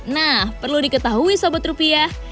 nah perlu diketahui sobet rupiah